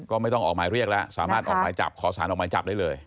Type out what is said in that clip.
ก็ไม่ต้องออกหมายเรียกแล้วสามารถออกหมายจับขอสารออกหมายจับได้เลย